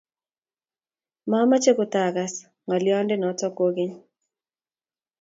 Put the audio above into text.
Mameche kutaagas ng'olyonde noto kukeny.